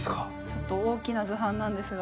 ちょっと大きな図版なんですが。